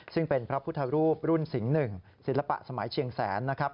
ซึ่งเป็นพระพุทธรูปรุ่นสิงห์๑ศิลปะสมัยเชียงแสนนะครับ